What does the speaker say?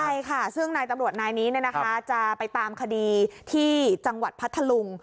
ใช่ค่ะซึ่งนายตำรวจนายนี้จะไปตามคดีที่จังหวัดพัทธลุง